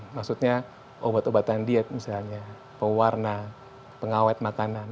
maksudnya obat obatan diet misalnya pewarna pengawet makanan